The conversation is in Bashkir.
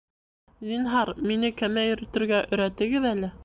Зинһар, мине кәмә йөрөтөргә өйрәтегеҙ әле